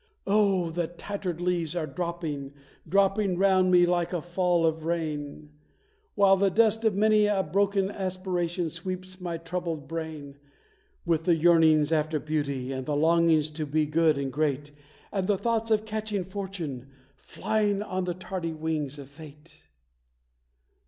Oh! the tattered leaves are dropping, dropping round me like a fall of rain; While the dust of many a broken aspiration sweeps my troubled brain; With the yearnings after Beauty, and the longings to be good and great; And the thoughts of catching Fortune, flying on the tardy wings of Fate.